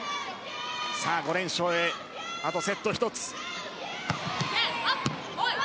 ５連勝へ、あとセット１つ。